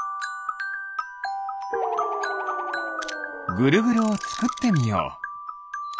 ぐるぐるをつくってみよう！